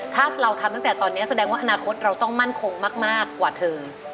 ถ้าเราทำตั้งแต่ตอนนี้แสดงว่าอนาคตเราต้องมั่นคงมากกว่าเธอ